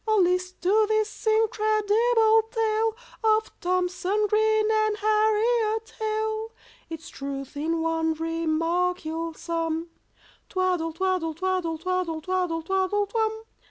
Oh, list to this incredible tale Of THOMSON GREEN and HARRIET HALE, Its truth in one remark you'll sum— "Twaddle twaddle twaddle twaddle twaddle twaddle twum!"